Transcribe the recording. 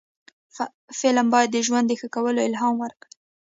فلم باید د ژوند د ښه کولو الهام ورکړي